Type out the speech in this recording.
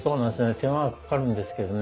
手間がかかるんですけどね